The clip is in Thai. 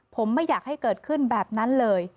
ผมไม่อยากให้เกิดขึ้นแบบนั้นเลย